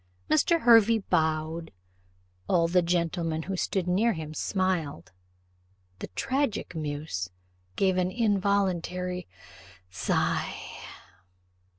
Mr. Hervey bowed; all the gentlemen who stood near him smiled; the tragic muse gave an involuntary sigh.